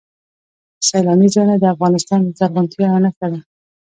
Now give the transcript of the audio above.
سیلاني ځایونه د افغانستان د زرغونتیا یوه نښه ده.